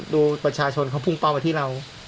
ดูประชาชนเขาพุ่งเป้ามาที่เรา